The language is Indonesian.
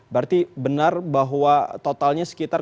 berarti benar bahwa totalnya sekitar